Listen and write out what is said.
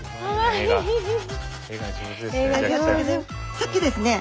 さっきですね